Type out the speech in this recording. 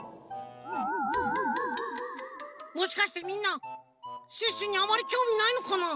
もしかしてみんなシュッシュにあまりきょうみないのかな？